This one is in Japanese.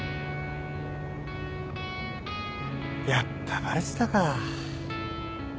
やっぱバレてたか